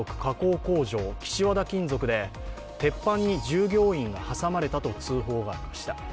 工場、岸和田金属で鉄板に従業員が挟まれたと通報がありました。